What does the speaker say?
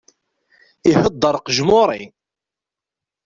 Ihedder qejmuri!